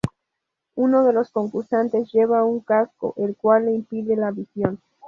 Uno de los concursantes lleva un casco, el cual le impide la visión.